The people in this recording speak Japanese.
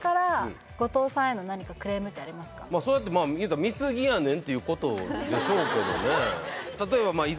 うんそうやって見すぎやねんっていうことでしょうけどね